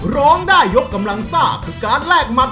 ร้องได้ยกกำลังซ่าคือการแลกหมัด